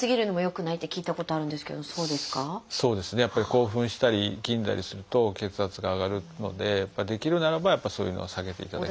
興奮したりいきんだりすると血圧が上がるのでできるならばそういうのは避けていただきたい。